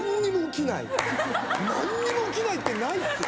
何にも起きないってないっすよ。